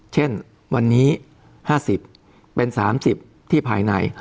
เช่นวันนี้๕๐เป็น๓๐ที่ภายใน